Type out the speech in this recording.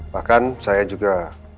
bahkan saya juga